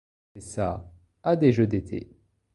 C'est sa à des Jeux d'été.